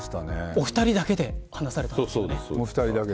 お二人だけではなされたんですよね。